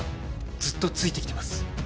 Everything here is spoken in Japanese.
ずっとついてきてます